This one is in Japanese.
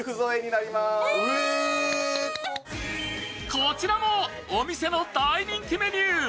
こちらもお店の大人気メニュー。